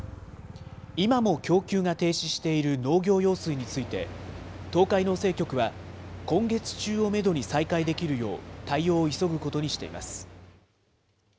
今も供給が停止している農業用水について、東海農政局は今月中をメドに再開できるよう、対応を急ぐことにしています。